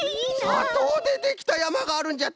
さとうでできたやまがあるんじゃって！